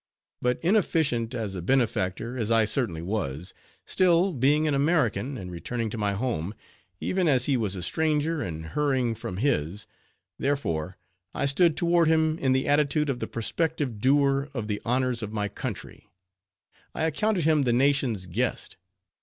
But inefficient, as a benefactor, as I certainly was; still, being an American, and returning to my home; even as he was a stranger, and hurrying from his; therefore, I stood toward him in the attitude of the prospective doer of the honors of my country; I accounted him the nation's guest.